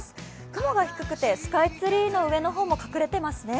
雲が低くてスカイツリーの上の方も隠れていますね。